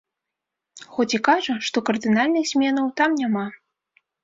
Хоць і кажа, што кардынальных зменаў там няма.